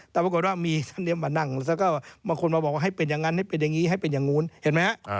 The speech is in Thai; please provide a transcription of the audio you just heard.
แต่ปรากฏว่ามีท่านนี้มานั่งแล้วก็บางคนมาบอกว่าให้เป็นอย่างนั้นให้เป็นอย่างนี้ให้เป็นอย่างนู้นเห็นไหมฮะ